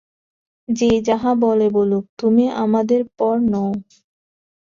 যে যাহা বলে বলুক, তুমি আমাদের পর নও।